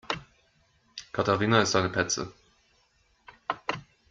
Katharina ist eine Petze.